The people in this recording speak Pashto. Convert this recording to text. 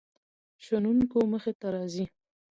شنونکو مخې ته راځي.